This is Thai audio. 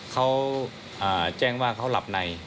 เขาแจ้งว่าเขาหลับใน